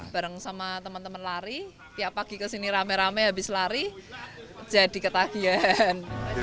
bareng sama teman teman lari tiap pagi kesini rame rame habis lari jadi ketagihan